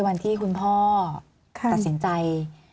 วันที่คุณพ่อตัดสินใจ